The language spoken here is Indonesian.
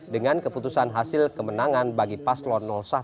dengan keputusan hasil kemenangan bagi paslon satu